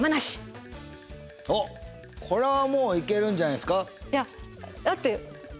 これはもういけるんじゃないですか。